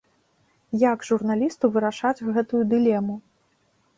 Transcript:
Як журналісту вырашаць гэтую дылему?